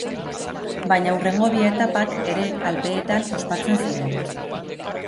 Baina hurrengo bi etapak ere Alpeetan ospatzen ziren.